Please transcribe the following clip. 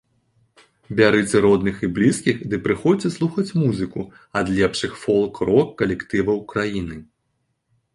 Бярыце родных і блізкіх ды прыходзьце слухаць музыку ад лепшых фолк-рок калектываў краіны.